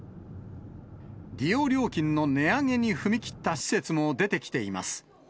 利用料金の値上げに踏み切った施設も出てきています。